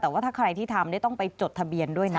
แต่ว่าถ้าใครที่ทำต้องไปจดทะเบียนด้วยนะ